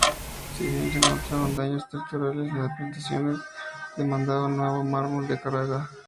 Si bien no se encontraron daños estructurales, las reparaciones demandaban nuevo mármol de Carrara.